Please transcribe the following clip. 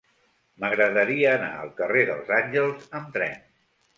M'agradaria anar al carrer dels Àngels amb tren.